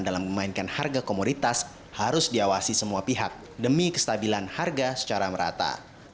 dalam memainkan harga komoditas harus diawasi semua pihak demi kestabilan harga secara merata